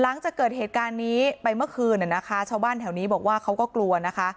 หลังจากเกิดเหตุการณ์นี้ไปเมื่อคืนนะคะชาวบ้านแถวนี้บอกว่าเขาก็กลัวนะคะ